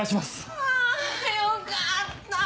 あぁよかった！